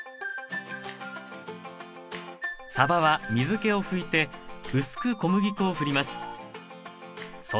サバは水けを拭いて薄く小麦粉をふります。